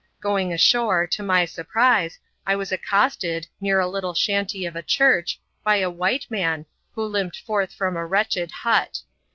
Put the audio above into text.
Going ashore, to my surprise, I was accosted, near a little 6hanty of a church, by a white man, who limped forth from a wretched hut.